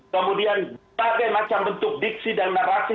kemudian bagai macam bentuk diksi dan narasi